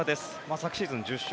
昨シーズン１０勝